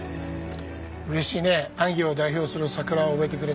うれしいね安行を代表する桜を植えてくれて。